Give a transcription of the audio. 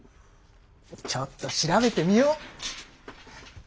ちょっと調べてみよっ。